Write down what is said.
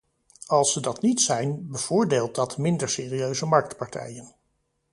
Als ze dat niet zijn, bevoordeelt dat minder serieuze marktpartijen.